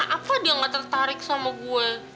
apa dia gak tertarik sama gue